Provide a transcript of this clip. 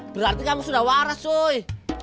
berarti kamu sudah waras soe